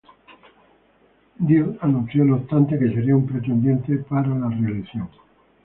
Dill anunció, no obstante, que sería un pretendiente para la reelección.